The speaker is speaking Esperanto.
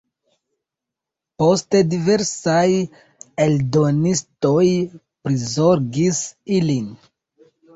Poste diversaj eldonistoj prizorgis ilin.